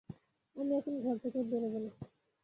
আমি এখন ঘর থেকে বেরুব না।